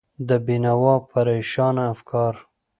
د بېنوا پرېشانه افکار